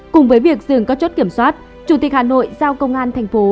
cùng với việc dừng các chốt kiểm soát chủ tịch hà nội giao công an thành phố